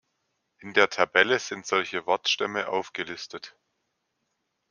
In der Tabelle sind solche Wortstämme aufgelistet.